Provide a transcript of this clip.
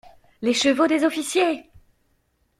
Les chevaux des officiers!